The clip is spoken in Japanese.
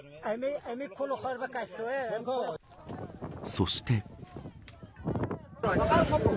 そして。